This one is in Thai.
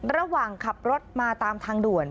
ระหว่างขับรถมาตามทางด่วน